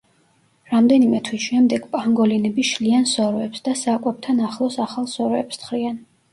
რამდენიმე თვის შემდეგ პანგოლინები შლიან სოროებს და საკვებთან ახლოს ახალ სოროებს თხრიან.